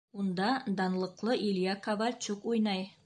Унда данлыҡлы Илья Ковальчук уйнай!